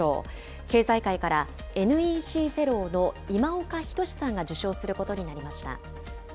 経済界から、ＮＥＣフェローの今岡仁さんが受章することになりました。